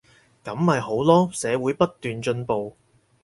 噉咪好囉，社會不斷進步